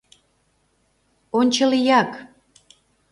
— Ончылияк.